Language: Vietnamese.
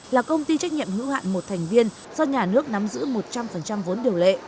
là công ty trách nhiệm hữu hạn một thành viên do nhà nước nắm giữ một trăm linh vốn điều lệ